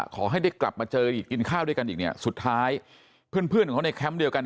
ขอให้ได้กลับมาเจออีกกินข้าวด้วยกันอีกเนี่ยสุดท้ายเพื่อนเพื่อนของเขาในแคมป์เดียวกัน